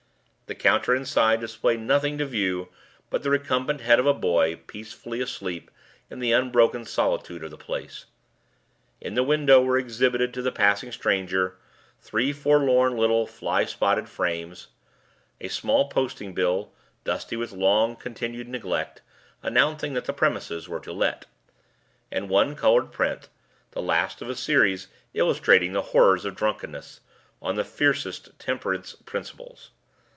The counter inside displayed nothing to view but the recumbent head of a boy, peacefully asleep in the unbroken solitude of the place. In the window were exhibited to the passing stranger three forlorn little fly spotted frames; a small posting bill, dusty with long continued neglect, announcing that the premises were to let; and one colored print, the last of a series illustrating the horrors of drunkenness, on the fiercest temperance principles.